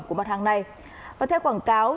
của mặt hàng này và theo quảng cáo